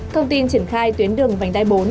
thông tin triển khai tuyến đường vành đai bốn